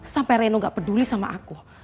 sampai reno gak peduli sama aku